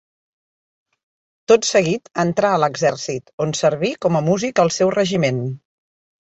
Tot seguit entrà a l'exèrcit, on serví com a músic al seu regiment.